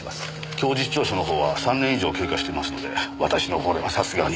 供述調書の方は３年以上経過してますので私の方ではさすがに。